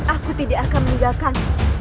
aku tidak akan meninggalkan